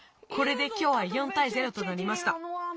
これできょうは４たい０となりました。